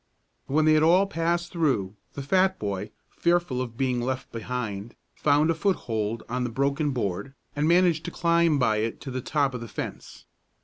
When they had all passed through, the fat boy, fearful of being left behind, found a foothold on the broken board, and managed to climb by it to the top of the fence.